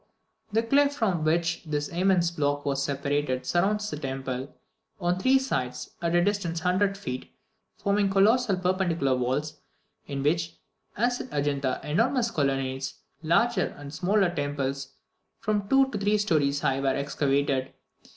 The cliff from which this immense block was separated surrounds the temple, on three sides, at a distance of 100 feet, forming colossal perpendicular walls, in which, as at Adjunta, enormous colonnades, larger and smaller temples, from two to three stories high, are excavated.